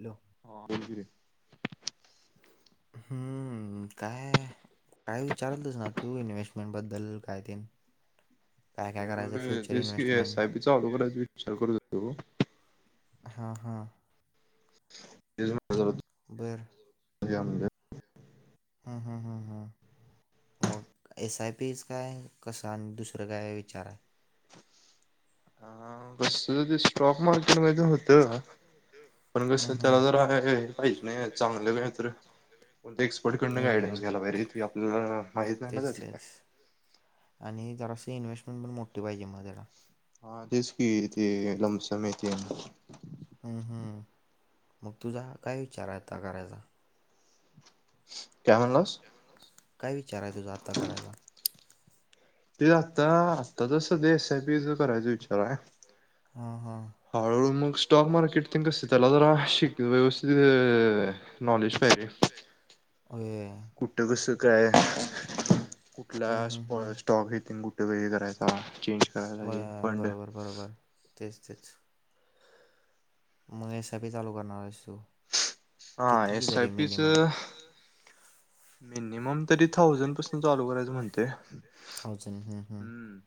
Hello ह bowler [unintelligible] हम्म! काय काय विचारतस ना, तू इन्व्हेस्टमेंट बद्दल काय ते, काय काय करायचं फ्युचर स एस इन्व्हेस्टमेंट आय पीचा ऑलोबरी विचार करू देतो ग, हा! हा! तेच म्हणलं जरा तू बर! घ्या म्हणलं. हम्म, हम्म, हम्म, हम्म! मग एसआय पीच काय, कसं आणि दुसरं काय विचार आहे. हा, कसं स्टॉक मार्केट म होत. पण कस हं हं त्याला ज आहे पाहिजे नाही च चांगलं का तरण एक्सपर्ट कडनं होय गायडन्स घ्याला पाहि रे! की आपलं तेच तेच आणि जरास इन्व्हेस्टमेंट पण मोठी पाहिजे मग त्याला, हा तेच की ते लंब समेत हम्म हम् मग तुझा काय विचार हाय आता करायचा काय म्हणल्यास काय विचार हाय तुझा आता करायचा ते आता आत्ता तर सध्या एसआय पीच करायच विचार आहे हा हा हळूहळू मग स्टॉक मार्केट तिनं कसं त्याला जरा व्यवस्थित नॉलेज होय कुठ कस काय कुठला हम्म हम्म हम्म. स्टॉक घेते कुठे वे करायचा चेंज [unintelligible] काजन ब- पड [unintelligible] बरोबर बरोबर तेच तेच मग एसआयपी चालू करणार आहेस तू हा कितीची तरी एसआयपी मिनिमम चं मिनिमम तरी थाउजंड पासून चालू करायचं म्हणतोय थाउजंड हम्म हम्म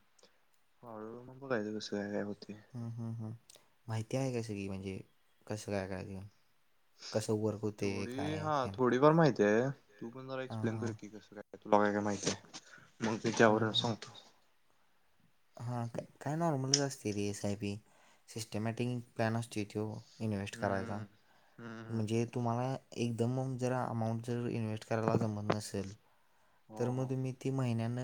हो मग बोलघच कस का का [unintelligible] हम्म हम् हम् माहिती आहे का सगळी म्हणजे कसं काय काय ते कसं उरक होते कायथ [unintelligible] ते तू पण जरा एक्सप्लेन कर की कस काय तुला काय काय माहितीय आहे मग त्याच्यावरून सांगतो हा काय नॉर्मलच असतंय रे S I P systematic plan असतोय तो इन्व्हेस्ट करायचा हम्म हम्म म्हणजे तुम्हाला एकदम जरा अमाऊंट जर इन्व्हेस्ट करायला जमत नसेल तर हो मग तुम्ही ती महिन्यान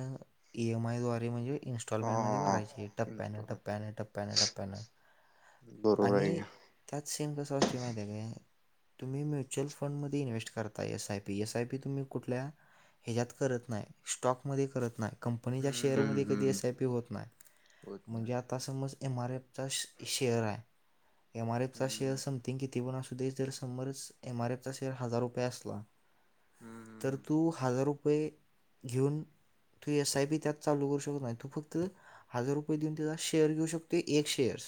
ई एम आयद्वारे म्हणजे हो इन्स्टॉलमेंटमध्ये ह भरायची टप्प्यानं इन्स्टॉलमेंट टप्प्यानं टप्प्यांन टप्प्यांन असं बरोबर आहे की आणि त्यात शेमका सॉस त माहिती आहे का [unintelligible] तुम्ही म्युच्युअल फंड मध्ये इन्व्हेस्ट करताय एसआय पी एसआय पी तुम्ही कुठल्या ह्याच्या्यात करत नाही स्टॉकमध्ये करत नाही कंपनीच्या हम्म शेअरमध्ये कधी हम्म एस आय पी होत नाही होत म्हणजे नाही आता समज एम आर एफ चा शेअर हाय एम आर एफ चा शेअर हम्म समथिंग किती पण असू आणि जर समज एमआरएफचा शेअर हजार रुपये असला तर हम्म तू हजार रुपये रुपये घेऊन तू एस आय पी त्यात चालू करू शकत नाही तू फक्त हजार रुपये देऊन त्याला शेअर घेऊ शकतो एक शेअरस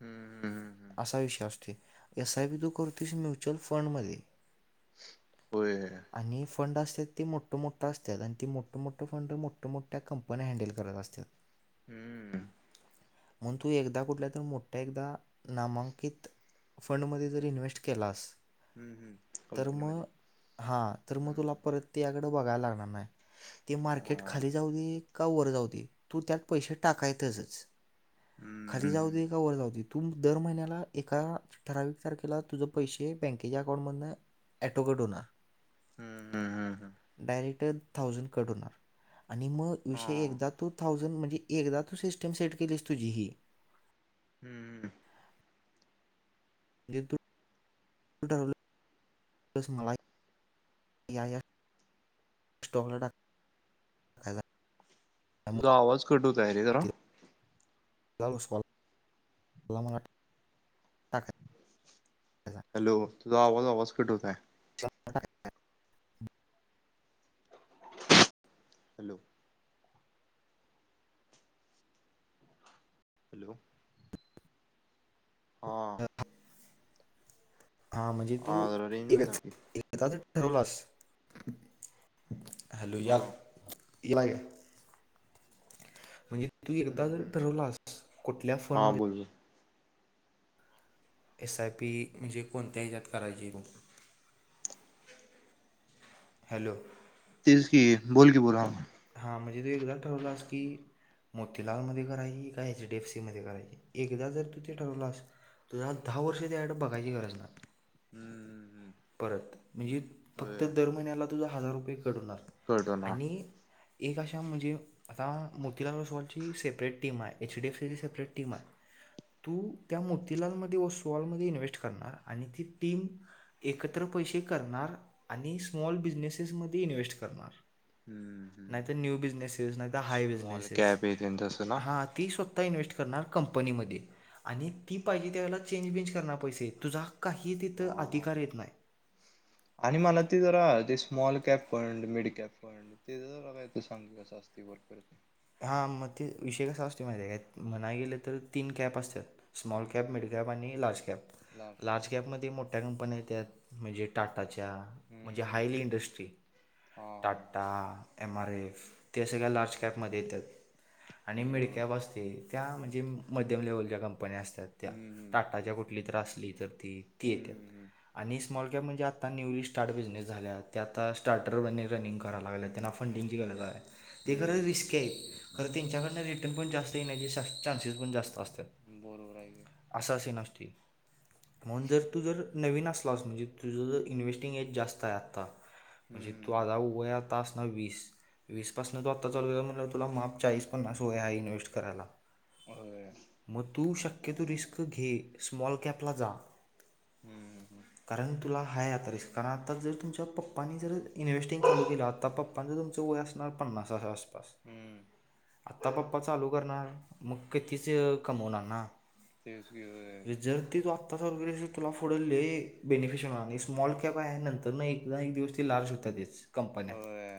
हम्म हम्म असा विषय असतोय एस आय बी तू करतेस म्युच्युअल फंड मध्ये होय फंड असत्यात ते मोठ मोठ असतात आणि ती मोठ मोठे फंड मोठ मोठ्या कंपन्या हँडल करत असतात हम्म म्हणून तू एकदा कुठल्या तर मोठ्या एकदा नामांकित फंडमध्ये जरी इन्व्हेस्ट केलास हम्म हम्म तर कंपनीमध्ये मग हा तर हम्म मग तुला हम्म परत ते त्याकडे बघायला लागणार नाही ते मार्केट हा खाली जाऊ दे का वर जाऊ दे तू त्यात पैसे टाकायचं तसंच खाली हम्म जाऊ हम्म दे का वर जाऊ दे. तू दर महिन्याला एका ठरावीक तारखेला तुझं पैसे बँकेच्या अकाउंटमधनं ऑटो कट होणार हम्म हम्म हम्म हम्म डायरेक्ट थोऊसँड कट होणार आणि मग हा विषय एकदा टू थोऊसँड एकदा तू सिस्टम सेट केलिस तुझी हम्म जेे तु [unintelligible] जस मला या स्टॉकला टाकाय तुझा आवाज कटूत आहे रे जरा मिसेडकॉल मला ट तझा आवाज आवाज कटवता आहे. [inaudible] हॅलो हॅलो हा ता हा म्हणजे हा तू जरा रेंज एक मध्ये जा की ठरवलास, हॅलो हा यालोई की म्हणजे तू एकदा हम्म जर हम्म ठरवलास कुठल्या फंड हा मध्ये बोल बोल एस आय पी म्हणजे कोणत्या हच्यात करायची रू हॅलो तेच की बोल की बोरो हा म्हणजे तू एकदा ठरवलास की, मोतीलाल मध्ये करायची का एच डी एफ सी मध्ये करायची एकदा जर तु ते ठरवलास तुझ दहा वर्ष त्याड बघायची गरज नाही. हम्म हम्म हम्म परत म्हणजे फक्त दर महिन्याला तुझा हजार रुपये कट हुणार कट होणार आणि एक अशा म्हणजे आता मोतीलाल ओस्वालची सेपरेट टीम आहे, एचडीएफसीची सेपरेट टीम आहे. तू त्या मोतीलालमध्ये व सुवालमध्ये इन्व्हेस्ट करणार आणि ती टीम एकत्र पैसे करणार आणि स्मॉल बिझनेसेसमध्ये इन्व्हेस्ट करणार हम्म हम्म नाहीत न्यू बिजनेसेस नाही तर हाय स्मॉल बिजनेसेस कॅप हे तेन तसं ना हा ती स्व आता इन्व्हेस्ट करणार कंपनीमध्ये आणि ती पाहिजे त्यावेळेला चेंज बेंज करणार पैसे तुझा काही तिथं हा अधिकार आहेत आणि मला ते जरा ते small cap fund mid cap fund ते जरा काय तर सांग असत [inaudible] हा मग ते विषय कसा असतोय माहिती आहे काय म्हणाय गेले तर तीन कॅब असतात स्मॉल कॅप हं, मिड कॅप आणि लार्ज कॅप लास्ट लार्ज कॅपमध्ये मोठ्या क पण येत म्हणजे टाटाचे म्हणजे हं, हायली हं, इंडस्ट्री हां, हां, हां. टाटा, एम आर एफ ते सगळ्या हं, लार्ज हं, कॅपमध्ये येतात आणि मिड बरोबर. कॅप असते त्या म्हणजे मध्यम लेव्हल ज्या कंपन्या असतात त्या हं, हं, टाटाच्या कुठली तर असली तर ती हं, ती येत्यात, हं, हं, आणि स्मॉल अख्या म्हणजे आता न्यवली स्टार्ट बिझनेस झाल्या ते आता स्टार्टर रनिंग कराय लागत त्यांना फंडिंगची गरज आहे. हम्म हम्म हम्म खर त्यांच्याकडन रिटर्न पण जास्त येण्याचे चांसेस पण जास्त असत त्यात, हं. बरोबर आहे की. असे नसतय म्हणून जर तू जर नवीन असलास म्हणजे तुझं जर इन्व्हेस्टिंग एज जास्त आहे आत्ता म्हणजे तू हं, आधा उभया आता अस वीस, वीस पासन तू आता चालू म्हण तुला माप चाळीस, पन्नास होय आहे इन्व्हेस्ट करायला. होय. मग तू शक्यतो रिस्क घे स्मॉलकॅपला जा. हम्म हम्म हम्म कारण तुला हा आता र कारण आता जरुमच्या पप्पांनी जर इन्स्टिंग चालू केलं आता पप्पां जर तुमं... पन्नासाच्या आसपास. हं. आता पप्पा चालू करणार मग कतीच कमवणार ना. तेसकी गय. आताचं वगैरे तुला फडलले बेनिफिशल आणि स्मॉल कॅप आहे नंतर ना एकदा एक दिवस ते लार्ज होतात तेच. कंपनी्या होय.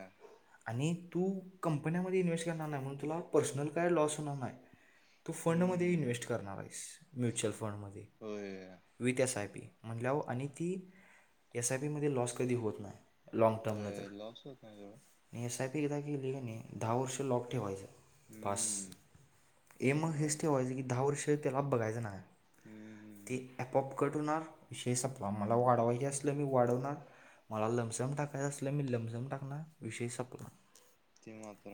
आणि तू काम. कंपन्यामध्ये इन्व्हेस्ट करणार नाही म्हणून तुला पर्सनल काय लॉस होणार नाही. तू फंडमध्ये इन्व्हेस्ट हं, करणार आहेस म्युच्युअल फंडमध्ये होय, विथ एस आय पी. म्हटल्यावर आणि ती एस आय पी मध्ये लॉस कधी होत नाही. लँग टर्म तर होय. लॉस होत नाही तेवढा. आणि एस आय पी एकदा केली कने दहा वर्ष लॉक ठेवायचं. बास हं, एम बरोबर आहे हेच ठेवायचं की दहा वर्ष त्याला बघायचं नायाय. हं, हं, ते हं. आपोप कट होणार विषय संपला मला वाढवायचे असल मी वाढवणार मला लमसम टाकायच असलं मी लमसम टाकनार विषयी संपला... ती माात्र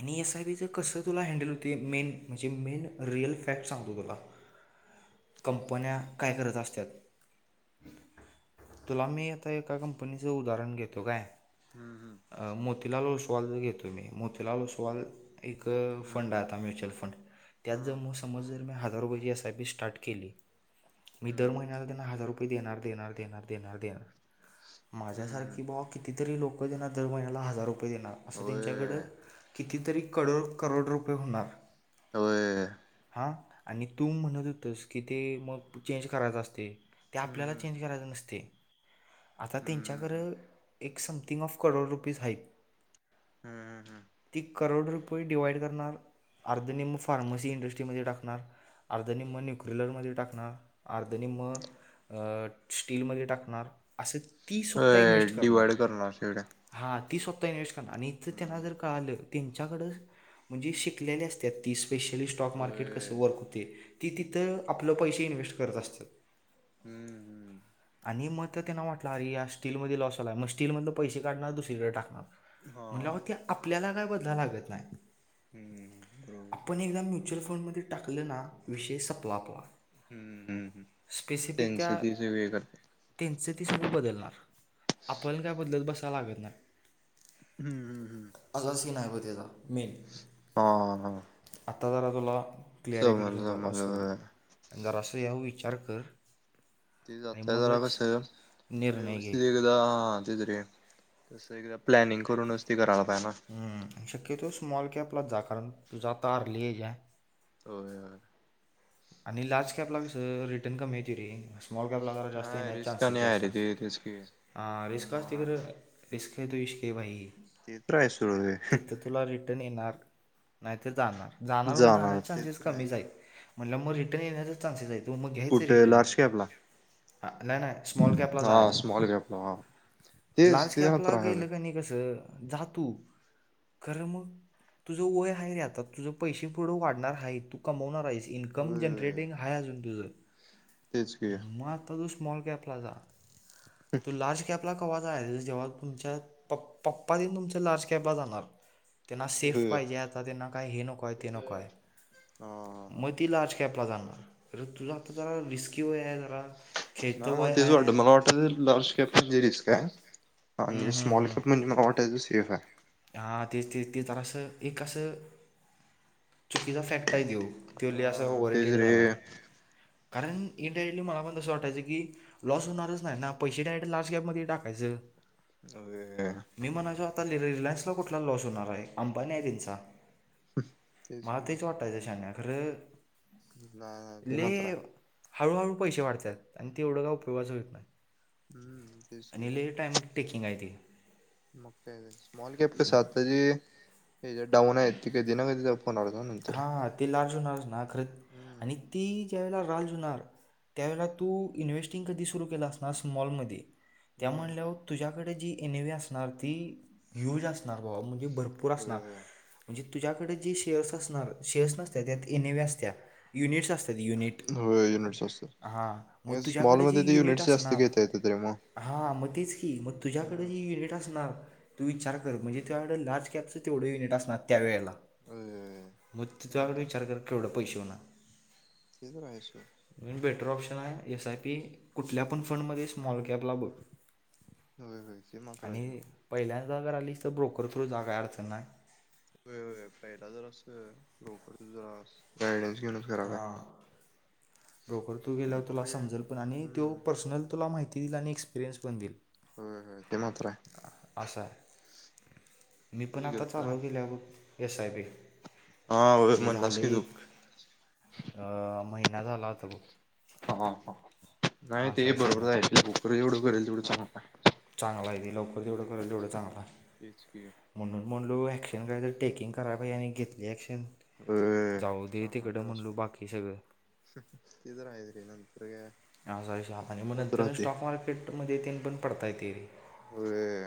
आणि एस, आय, पी चं कसं तुला हँडल होतय मेन म्हणजे मेन रिअल फॅक्ट सांगतो तुला कंपन्या काय करत असत्यात. तुला मी आता एका कंपनीचं उदाहरण घेतो काय. हम्म हम्म. चल ओसवालचच घेतो मी मोतीला ओसवाल एक फंड हं, हाय आता म्युच्युअल फंड त्यात जर हां. म समज जर मी हाज जार रुपायची एस, आय, पी स्टार्ट केली मी दर हं, महिन्याला त्याना हजार रूप पये देनार, देनार, देनार, देनार, देनार माझ्या हं, हं. सारकी भावा किती तरी लोक देणार दर महिन्याला हजार रुपये देणार असं त्यांच्याकडं होय, कि तीतरी कडोड करोड रुपये होणार अ व्हय. आ आणि तू म्हणत होतस की ते मग चेंज करायच असतय ते हं, आपल्याला हं, चेंज करायचं नसतय आता हं, त्यांच्याकडे हं, एक समथिंग ऑफ करोड रुपीज हाईत. हम्म हम्म हम्म. करोड रुपये डिवाइड करणार अर्धनिम्म फार्मसी इंडस्ट्रीमध्ये टाकणार अर्ध निम्म न्यूक्लीरलमध्ये टाकणार अर्ध निम्म अ स्टीलमध्ये टाकणार असच ती स्वता होय इन्व्हेस्ट करणार डिवाइड शेवड्या. हां. ती स्वत इन्वेस्ट करणार आणि जर त्यांना हम्म जर कळालं त्यांच्याकडं म्हणजे शिकलेले असत्यात तीस स्पेशली स्टॉक मार्केट कस होय. वर्क होते ती तिथं आपले पैसे इन्व्हेस्ट करत असत्यात. हम्म हम्म. आणि मग तर त्यांना वाटलं अरे या स्टीलमध्ये लॉस आला आहे मं स्टीलमधलं पैसे काढणार दुसरीकडे टाकणार हा म्हटल्यावर ते आपल्याला काय बदलाय लागत नाही. हम्म बरोबर. आपण एकदा म्युच्युअल फंडमध्ये टाकल ना विषय संपला आपला. हम्म, हम्म स्पेसिफिक त्यांचे त्या ते सगळे करतात. त्यांचं ते सगळं बदलणार आपण काय बदलत बसाय लागत नाही. हम्म, हम्म, हम्म. तेजा मेन हा हा. आता जरा तुला समजलं क्लरिफिकेशन झालं समजलं असेल होय. बग जर असं यावर विचार कर ते आणि जात्यावर जरा मगच कस निर्णय घे व्यवस्थित एकदा तेच रे तसं एकदा प्लॅनिंग करूनच, ते कराय लाग हम् शक्यतो स्मॉल कॅपलाच जा कारण, तुझ आता अर्ली एज हाय. होय होय. आणि लार्ज कॅपला कसं रिटर्न कमी येतंय रे असं. स्माॉल कॅपला जरा जास्त नाही येण्याचे रिस्क चान्सेस आणि आहे जास्त रे ते तेच की आसत्यात, आ रिस्क असते त्यामुळं खरं रिस्क [unintelligible] भित्र हाय सोड रे! तेन येणार नाहीतर जानार, जानार म्हंजे जाणार जान्याचे ते चान्सेस तर आहे. कमीच हाईत. म्हटल्यावर म रिटर्न येण्याचे चानसेस आहेत. तू कुठ लार्ज कॅप ला? आ नाय नाय स्मॉल कॅपला जायाच स्मॉल कॅपला हा. तेच लार्ज ते मात्र कॅपला आहे होय. गेलं कनी, कसं जा तू खरं मग तुझं वय आहे रे आता तुझ पैसे पुढं वाढणार, हाईत तू कमवणार आहेस इनक कम होय जनरेटिंग हाय अजून तुझं, तेच की मग आता तू स्मॉल कॅपला जा. तू लार्ज कॅप तूला कवा जायचं जव्हा तुमच्या पप्पा तेन तुमच्या लार्ज कॅपला जाणार त्यांना सेफ होय. पाहिजे, आता त्यांना काय हे नकोय ते नकोय हा हा मग ते कॅपला जाणार, तर तुझ आता रिस्की वय हाय जरा खेळतं नाही मग वय तेच वाटत मला आहे वाटत, लार्ज कॅप मध्येच रिस्क हाय. आणि स्मॉल कॅप म्हणजे मला वाटायच सेफ हाय. हा तेच तेच ते जरा असं एक असं, चुकीचा फॅक्ट हाय त्यो त्यो लई असं हा तेच ओव्हरहेटेड रे झालाय. कारण इनडायरेक्टली मला पण तसं वाटायचं की, लॉस होणारच नाही ना पैसे डायरेक्ट लास्ट गॅपमध्ये टाकायचं अ वय. मी म्हणायचो आता [unintelligible] रिलायन्स ला कुठला लॉस होणार हाय, अंबानी हाय तेंचा मला तेच वाटायच शाण्या खरं नाय ते ले मात्र हाय हळूहळू पैसे वाढत्यात आणि तेवढं काय उपयोगाच व्हईत नाही. हम्म तेच की, आणि ले टाईम टेकिंग आहे ते म काय तर स्मॉल कॅप कसं आताजी हे जे डाऊन आहेत ते कधी ना कधी जम हा ते लार्ज होणारच ना खरंच, हम्म आणि ती ज्या वेळेला लार्ज हूणार, त्यावेळेला तू इन्व्हेस्टिंग कधी सुरू केलं असणार स्मॉलमध्ये? त्या हम्म म्हनल्यावर तुझ्याकडे जी एनवी असणार, ती ह्यूज असणार बाबा म्हणजे भरपूर असनार होय म्हजे, तुझ्याकडे जे शेअर्स असत नार शेअर्स नसत्यात त्यात, ए ने वी असत्या युनिट्स अस युनिट, होय युनिट्स असतात. हा स्मॉल तुझ्याकड जे मध्ये ते युनिट युनिट्स जास्त असणार घेता येतात रे मग. हां मग तेच की, मग तुझ्याकडे जी युनिट असणार तू विचार कर म्हणजे त्याकड, लार्ज कॅपचं तेवढं युनिट असणार त्यावेेळेला अ अ. मग तू एवढा विचार कर, केवढं पैसे होनार ते तर आहेच सोड. बेटर ऑप्शन हाय एस आय पी कुठल्या पण, फंडमध्ये स्मॉल कॅप ला बघ. होय होय ते मात्र आहे सोड. आणि पहिल्यांदा जर आलीस, तर ब्रोकर थ्रू जागा हाय अडचण नाय होय होय पहिला जरा अस ब्रोकर जरा गायडन्स घेऊनच कराय पाय हां ब्रोकर थ्रू गेल्यावर नंतर तुला काय समजल, पण आणि तो हम्म पर्सनल तुला माहिती दिल आणि एक्सपिरिय्स पण दिल व्हय व्हय ते मात्र हाय असा आहे मी पण आता चालू केेलिया बघ एस आय पी हा म्हणलास की तू अ महिना झाला होता ग. हा हा नाही ते सीन आहे बरोबरचय पप एवढं करेल तेवढं चांग. चांगला आहे तेे लवकर तेवढं केल तेवढा चांगला तेच की म्हणून म्हणलो क्शन काय टेकंग करा पाहिे आणि घेतलीक्शन होय जाऊ दे चांगलं तिकडं केलास म्हणलू की. बाकी सगळं. ते तर आहेच रे नंतर काय हा सॉरी शाप आणि मग होत नंतर राहते. स्टॉक मार्केट मध्ये त पण पडता येतरी होर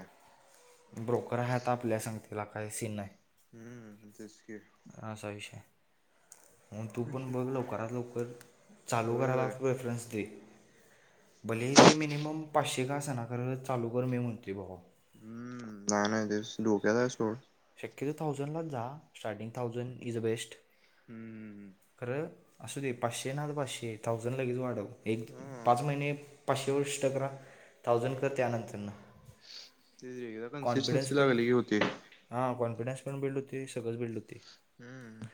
ब्रोकर आहेता आपल्या सांगतेला काय सीन नाही. हम्म तेचक म तू पण बघ नाही. लवकरात लवकर चालू होय करायला होय. प्रेफरन्स दे. भले ते मिनिमम पाचशे का अस ना खरं चालू कर मी म्हणते बाबा. हम्म ना नाही ते दोप्याला सोड. शक्के थाउजंड लाच जा starting thousand is the best. हम्मम् हम्! खरं असू दे पाचशे ना तर पाचशे थाउजंड लगेच वाढव एक हा पाच महिने. पाचशे वर्षकरा थाउजंड कर त्यानंतरन ते कन्सिस्टनसी लागली की होती ना. ह कॉनफिडनस पण बिल्ड होतीसगळंच बिल्ड होती. हम्म!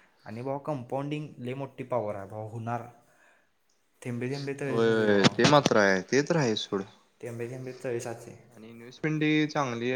कंपाऊंडिंग लय मोठी पॉवर आहे बाबा होणार. थेंबे थेंबे तळे साचे होय भावा ते मात्र आहे ते तर आहे सोड. थेंबे थेंबे तळे साचे आणि इन्व्हेस्टमेंट चांगली आहे.